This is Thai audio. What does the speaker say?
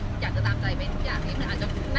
ไม่ใช่นี่คือบ้านของคนที่เคยดื่มอยู่หรือเปล่า